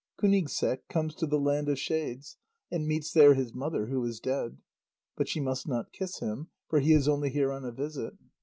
Kúnigseq comes to the land of shades, and meets there his mother, who is dead. But she must not kiss him, for "he is only here on a visit."